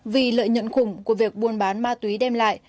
vì lợi nhuận khủng của việc buôn bán ma túy đem lại